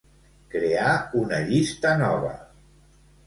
Crear una llista nova.